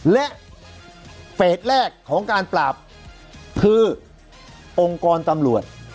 และเฟสแรกของการปราบคือองค์กรตำรวจ